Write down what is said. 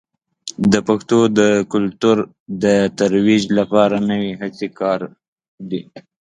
د پښتو د کلتور د ترویج لپاره نوې هڅې په کار دي.